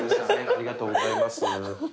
ありがとうございます。